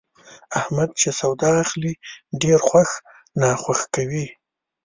احمد چې سودا اخلي، ډېر خوښ ناخوښ کوي.